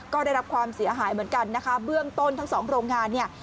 ก็ได้รับความเสียหายเหมือนกันนะคะเบื้องต้นทั้งสองโรงงานเนี่ย